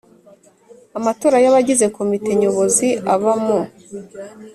Amatora y abagize Komite Nyobozi aba mu